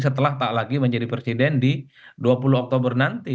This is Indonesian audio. setelah tak lagi menjadi presiden di dua puluh oktober nanti